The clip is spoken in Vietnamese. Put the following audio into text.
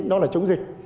đó là chống dịch